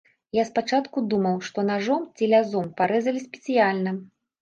Я спачатку думаў, што нажом ці лязом парэзалі спецыяльна.